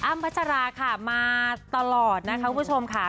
พัชราค่ะมาตลอดนะคะคุณผู้ชมค่ะ